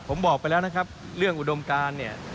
ผมบอกไปแล้วนะครับเรื่องอุดมการเนี่ย